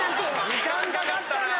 時間かかったな。